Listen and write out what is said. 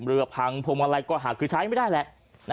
เรือพังพวงมาลัยก็หักคือใช้ไม่ได้แหละ